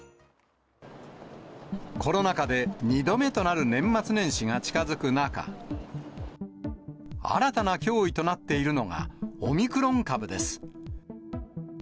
コロナ禍で２度目となる年末年始が近づく中、新たな脅威となっているのがオミクロン株です。